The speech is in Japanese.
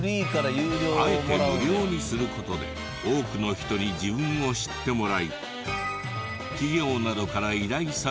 あえて無料にする事で多くの人に自分を知ってもらい企業などから依頼され収入を得ているという。